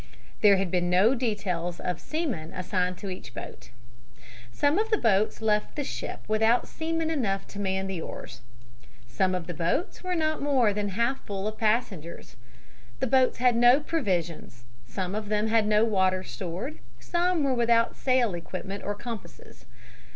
There had been no details of seamen assigned to each boat. Some of the boats left the ship without seamen enough to man the oars. Some of the boats were not more than half full of passengers. The boats had no provisions, some of them had no water stored, some were without sail equipment or compasses.